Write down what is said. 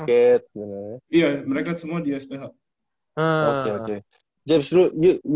iya mereka semua di sph